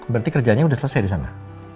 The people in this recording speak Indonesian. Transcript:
berarti kerjaannya udah selesai disana